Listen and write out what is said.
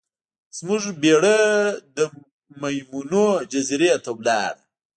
زموږ بیړۍ د میمونونو جزیرې ته لاړه.